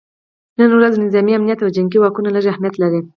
نن ورځ نظامي امنیت او جنګي واکونه لږ اهمیت لري